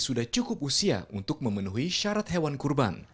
sudah cukup usia untuk memenuhi syarat hewan kurban